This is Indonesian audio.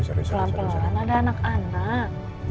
pelan pelan ada anak anak